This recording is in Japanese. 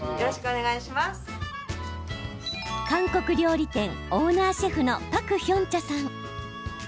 韓国料理店オーナーシェフのパク・ヒョンチャさん。